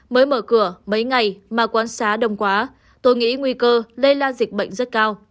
mới mở cửa mấy ngày mà quán xá đông quá tôi nghĩ nguy cơ lây lan dịch bệnh rất cao